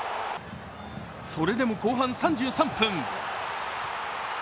それでも後半３３分。